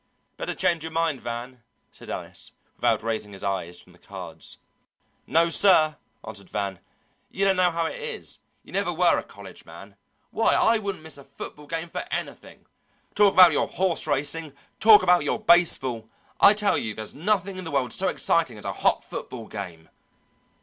"Better change your mind, Van," said Ellis without raising his eyes from the cards. "No, sir," answered Van. "You don't know how it is you never were a college man. Why, I wouldn't miss a football game for anything. Talk about your horse racing, talk about your baseball I tell you there's nothing in the world so exciting as a hot football game."